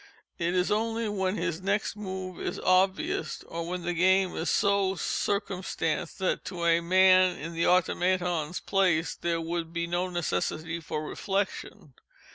It is only when his next move is obvious, or when the game is so circumstanced that to a man in the Automaton's place there would be no necessity for reflection.